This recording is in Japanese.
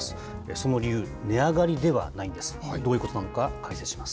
その理由、値上がりではないんです。